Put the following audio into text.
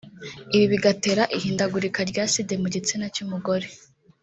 ibi bigatera ihindagurika rya acide mu gitsina cy’umugore